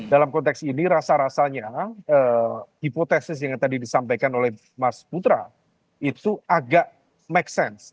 dalam konteks ini rasa rasanya hipotesis yang tadi disampaikan oleh mas putra itu agak make sense